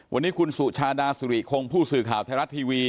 วันนี้คุณสุชาธารณสุริคงผู้สึกข่าวแทรงรัฐทีวี